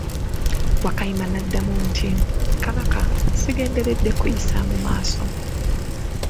Wakayima n'amuddamu nti, Kabaka, sigenderedde kuyisaamu maaso.